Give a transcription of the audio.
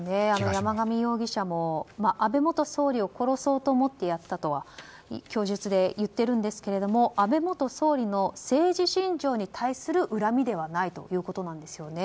山上容疑者も安倍元総理を殺そうと思ってやったとは供述で言っているんですけれども安倍元総理の政治信条に対する恨みではないということなんですよね。